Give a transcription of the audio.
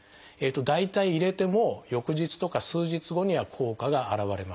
大体入れてもう翌日とか数日後には効果が現れます。